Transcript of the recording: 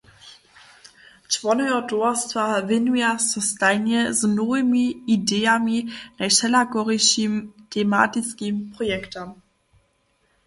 Čłonojo towarstwa wěnuja so stajnje z nowymi idejemi najwšelakorišim tematiskim projektam.